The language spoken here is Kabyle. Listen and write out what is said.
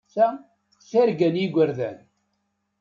Ta d targa n yigerdan.